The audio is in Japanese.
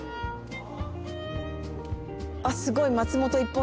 あっすごい。